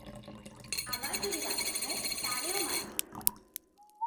আবার যদি বাচ্চা হয় তারেও মারবে।